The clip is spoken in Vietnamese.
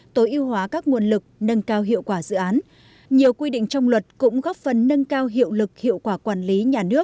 tối ưu hóa các nguồn lực nâng cao hiệu quả dự án